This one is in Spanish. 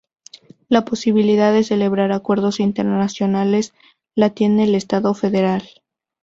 La posibilidad de celebrar acuerdos internacionales la tiene el Estado Federal.